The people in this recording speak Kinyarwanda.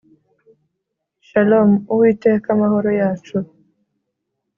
SHALOMUWITEKA AMAHORO YACU